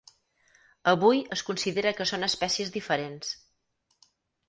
Avui es considera que són espècies diferents.